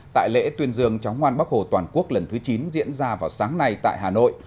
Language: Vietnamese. tại lễ tuyên dương chóng ngoan bắc hồ toàn quốc lần thứ chín diễn ra vào sáng nay tại hà nội